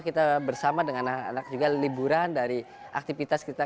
kita bersama dengan anak anak juga liburan dari aktivitas kita